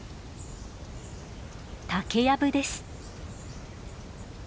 竹やぶです。